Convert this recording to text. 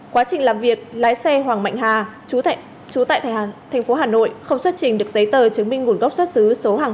quá trình làm việc lái xe hoàng mạnh hà chú tại tp hà nội không xuất trình được giấy tờ chứng minh nguồn gốc xuất xứ số hàng hóa để trên khoang xe